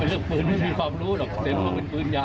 เป็นเรื่องปืนไม่มีความรู้หรอกเต็มเป็นปืนยาว